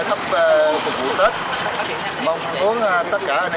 thấp phục vụ tết mong muốn tất cả anh